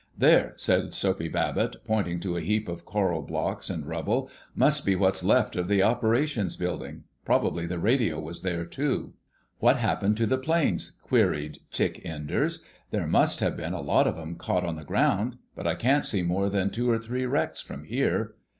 "There," said Soapy Babbitt, pointing to a heap of coral blocks and rubble, "must be what's left of the operations building. Probably the radio was there, too." "What happened to the planes?" queried Chick Enders. "There must have been a lot of 'em caught on the ground, but I can't see more than two or three wrecks from here."